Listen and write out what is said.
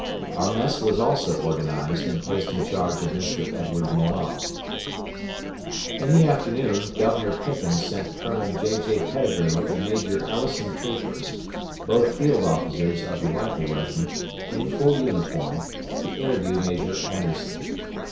Our mess was also organized, and placed in charge of Mr. Edward Moale. In the afternoon, Governor Pickens sent Colonel J.J. Petigru and Major Elison Capers, both field officers of the rifle regiment, in full uniform, to interview Major Anderson.